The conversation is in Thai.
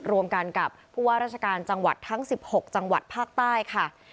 รวมกันกับผู้ว่าราชการจังหวัดทั้ง๑๖จังหวัดภาคใต้ค่ะ